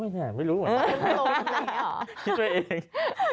มันลงอย่างนี้หรอคิดด้วยเองค่ะ